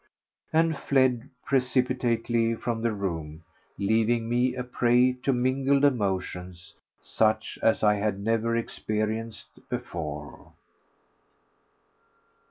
and fled precipitately from the room, leaving me a prey to mingled emotions such as I had never experienced before.